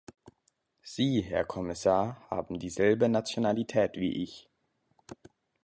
Sie, Herr Kommissar, haben dieselbe Nationalität wie ich.